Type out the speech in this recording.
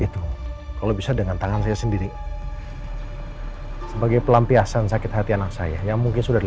itu kalau bisa dengan tangan saya sendiri sebagai pelampiasan sakit hati anak saya yang mungkin sudah di